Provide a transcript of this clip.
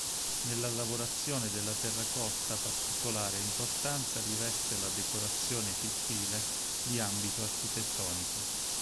Nella lavorazione della terracotta particolare importanza riveste la decorazione fittile di ambito architettonico.